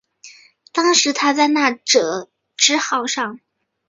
当时他在那智号上。